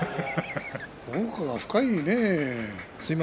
奥が深いね。